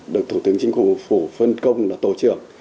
được thủ tướng chính phủ phủ phân công là tổ trưởng